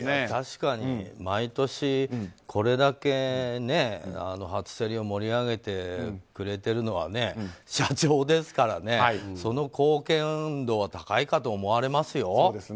確かに、毎年これだけ初競りを盛り上げてくれているのは社長ですからねその貢献度は高いかと思われますよ。